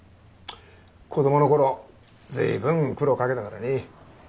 子供の頃随分苦労かけたからね。